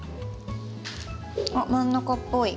あっ真ん中っぽい。